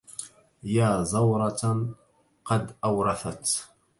يا زروة قد أورثت